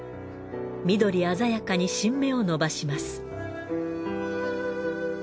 緑鮮やかに新芽を伸ばします。